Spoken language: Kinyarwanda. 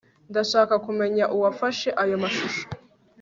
Ndashaka kumenya uwafashe ayo mashusho